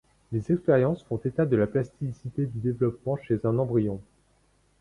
Les expériences font état de la plasticité du développement chez un embryon.